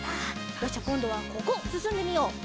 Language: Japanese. よしじゃあこんどはここすすんでみよう。